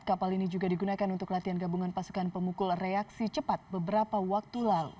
kapal ini juga digunakan untuk latihan gabungan pasukan pemukul reaksi cepat beberapa waktu lalu